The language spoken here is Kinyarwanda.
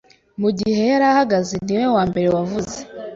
Mu gihe yari ahagaze ni we wa mbere wavuze